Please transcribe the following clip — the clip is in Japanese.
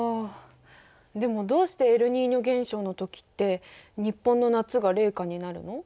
でもどうしてエルニーニョ現象の時って日本の夏が冷夏になるの？